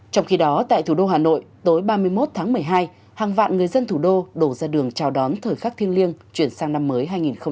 trong khi đó tại thủ đô hà nội tối ba mươi một tháng một mươi hai hàng vạn người dân thủ đô đổ ra đường chào đón thời khắc thiêng liêng chuyển sang năm mới hai nghìn hai mươi